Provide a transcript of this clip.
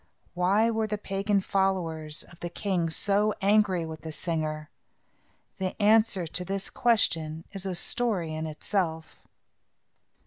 Why were the pagan followers of the king so angry with the singer? The answer to this question is a story in itself.